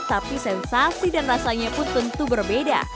tapi sensasi dan rasanya pun tentu berbeda